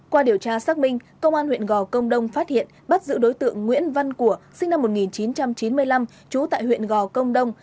qua điều tra xác minh công an huyện gò công đông phát hiện bắt giữ đối tượng nguyễn văn của sinh năm một nghìn chín trăm chín mươi năm trú tại huyện gò công đông